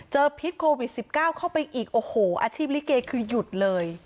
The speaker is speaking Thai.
พิษโควิด๑๙เข้าไปอีกโอ้โหอาชีพลิเกคือหยุดเลย